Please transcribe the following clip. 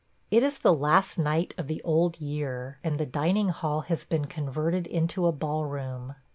... It is the last night of the old year, and the dining hall has been converted into a ballroom.